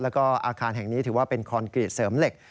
แล้วก็อาคารแห่งนี้ถือว่าเป็นคอนกรีตเสริมเหล็ก